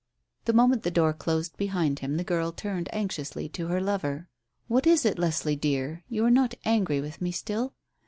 The moment the door closed behind him the girl turned anxiously to her lover. "What is it, Leslie dear? You are not angry with me still?"